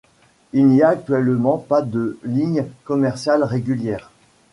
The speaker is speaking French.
Il n'y a actuellement pas de ligne commerciale régulière.